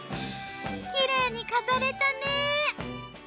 きれいに飾れたね。